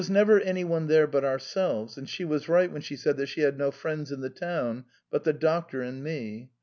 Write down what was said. There was nobody besides ourselves, and she was right when she said she had no friends in the town but the doctor and me.